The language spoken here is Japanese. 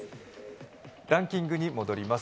ランキングに戻ります。